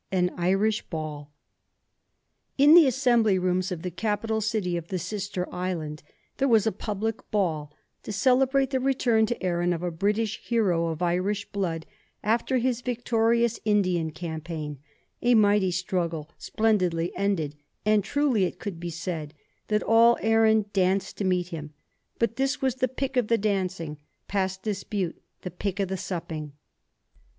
AN IRISH BALL. In the Assembly Rooms of the capital city of the Sister Island there was a public Ball, to celebrate the return to Erin of a British hero of Irish blood, after his victorious Indian campaign; a mighty struggle splendidly ended; and truly could it be said that all Erin danced to meet him; but this was the pick of the dancing, past dispute the pick of the supping.